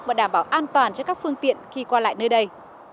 và đảm bảo an toàn cho các phương tiện khi qua lại nơi đây